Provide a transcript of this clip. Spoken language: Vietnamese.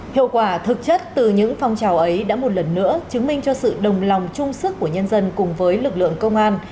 hiệu quả thực chất từ những phong trào ấy đã một lần nữa chứng minh cho sự đồng lòng trung sức của nhân dân cùng với lực lượng công an